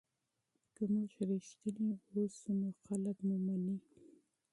که موږ رښتیني اوسو نو خلک مو مني.